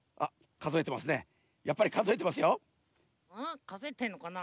かぞえてんのかな？